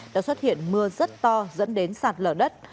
đã xuất hiện mưa rất to dẫn đến sạt lở đất